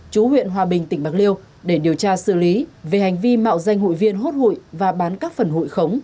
chú huyện hòa bình tỉnh bạc liêu để điều tra xử lý về hành vi mạo danh hụi viên hốt hụi và bán các phần hụi khống